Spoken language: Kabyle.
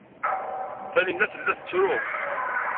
Taninna tella tettru.